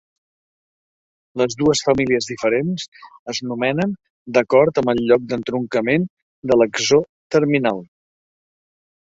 Les dues famílies diferents es nomenen d'acord amb el lloc d'entroncament de l'exó terminal.